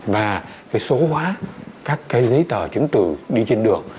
và cái số hóa các cái giấy tờ chứng từ đi trên đường